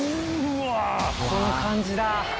この感じだ！